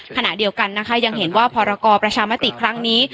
ขณะเดียวกันนะคะยังเห็นว่าพรกรประชามติครั้งนี้